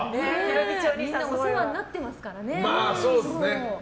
みんなお世話になってますからね。